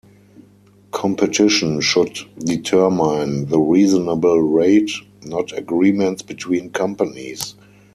Competition should determine the reasonable rate, not agreements between companies.